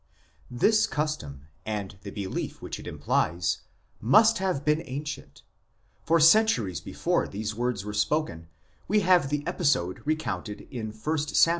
" This custom, and the belief which it implies, must have been ancient, for centuries before these words were spoken we have the episode recounted in 1 Sam.